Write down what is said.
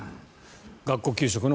学校給食の。